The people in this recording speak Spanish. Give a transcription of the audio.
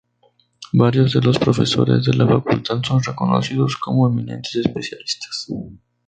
Varios de los profesores de la facultad son reconocidos como eminentes especialistas.